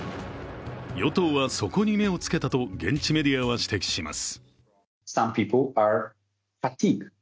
与党は、そこに目をつけたと現地メディアは指摘します。